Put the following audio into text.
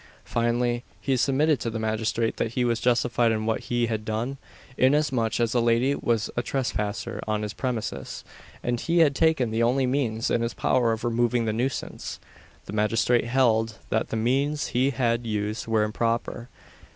Finally, he submitted to the magistrate that he was justified in what he had done, inasmuch as the lady was a trespasser on his premises, and he had taken the only means in his power of removing the nuisance. The magistrate held that the means he had used were improper.